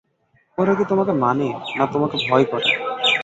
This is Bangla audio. ওরা কি তোমাকে মানে, না তোমাকে ভয় করে!